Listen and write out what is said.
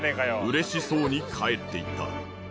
嬉しそうに帰っていった。